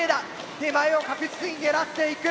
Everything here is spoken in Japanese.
手前を確実に狙っていく。